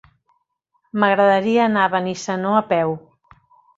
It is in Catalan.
M'agradaria anar a Benissanó a peu.